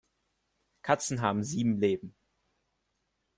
Katzen haben sieben Leben.